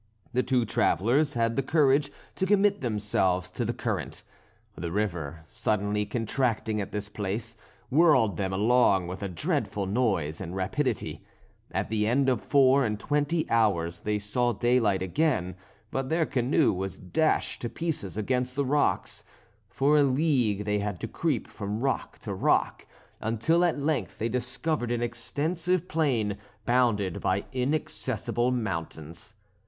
The two travellers had the courage to commit themselves to the current. The river, suddenly contracting at this place, whirled them along with a dreadful noise and rapidity. At the end of four and twenty hours they saw daylight again, but their canoe was dashed to pieces against the rocks. For a league they had to creep from rock to rock, until at length they discovered an extensive plain, bounded by inaccessible mountains.